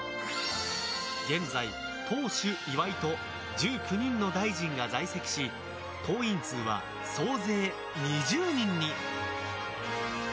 現在、党首・岩井と１９人の大臣が在籍し党員数は総勢２０人に。